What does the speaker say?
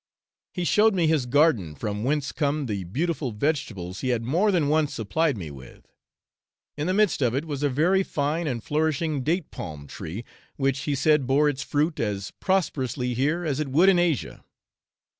He showed me his garden, from whence come the beautiful vegetables he had more than once supplied me with; in the midst of it was a very fine and flourishing date palm tree, which he said bore its fruit as prosperously here as it would in Asia.